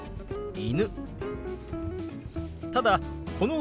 「犬」。